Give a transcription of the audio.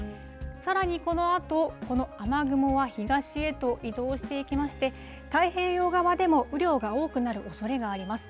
さらにこのあと、この雨雲は東へと移動していきまして、太平洋側でも雨量が多くなるおそれがあります。